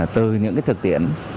từ những thực tiễn